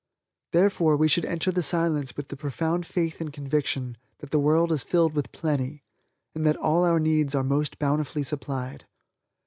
Therefore, we should enter the Silence with the profound faith and conviction that the world is filled with plenty, and that all our needs are most bountifully supplied.